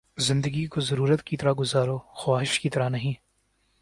زندگی کو ضرورت کی طرح گزارو، خواہش کی طرح نہیں